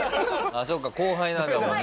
あっそっか後輩なんだもんね。